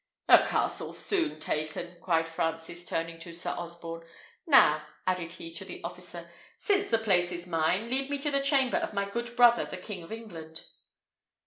"A castle soon taken!" cried Francis, turning to Sir Osborne. "Now," added he to the officer, "since the place is mine, lead me to the chamber of my good brother the King of England."